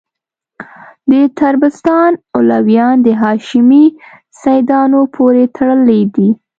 د طبرستان علویان د هاشمي سیدانو پوري تړلي دي.